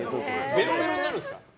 ベロベロになるんですか？